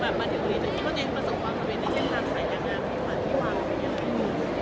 สักอย่างนี้มีความสำเร็จมีความสำเร็จมีความสำเร็จยังไง